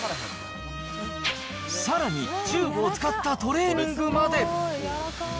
さらにチューブを使ったトレーニングまで。